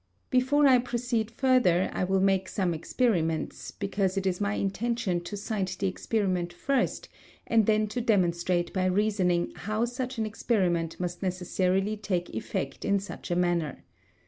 Before I proceed further I will make some experiments, because it is my intention to cite the experiment first and then to demonstrate by reasoning how such an experiment must necessarily take effect in such a manner.